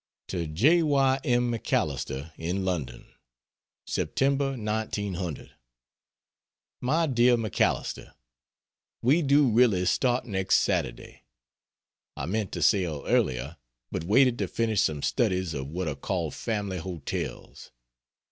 To J. Y. M. MacAlister, in London: Sep. 1900. MY DEAR MACALISTER, We do really start next Saturday. I meant to sail earlier, but waited to finish some studies of what are called Family Hotels.